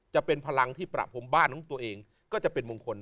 จะเป็นพลังที่ประพรมบ้านของตัวเองก็จะเป็นมงคล